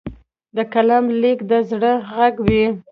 د قلم لیک د زړه غږ وي.